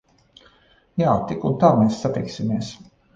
Jā. Tik un tā mēs satiksimies.